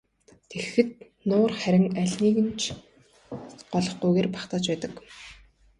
Тэгэхэд нуур харин алиныг нь ч голохгүйгээр багтааж байдаг.